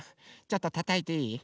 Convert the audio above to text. ちょっとたたいていい？